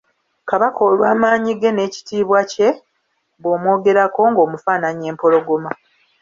Kabaka olw’amaanyi ge n’ekitiibwa kye, bw'omwogerako ng’omufaananya empologoma.